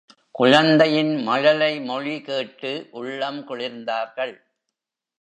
குழந்தையின் மழலை மொழிகேட்டு உள்ளம் குளிர்ந்தார்கள்.